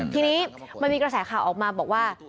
ทีนี้มันมีกระแสข่าวออกมาบอกว่า